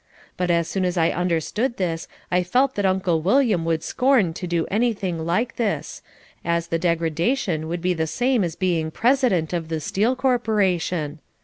But as soon as I understood this I felt that Uncle William would scorn to do anything like this, as the degradation would be the same as being President of the Steel Corporation.